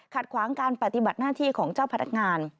ขวางการปฏิบัติหน้าที่ของเจ้าพนักงาน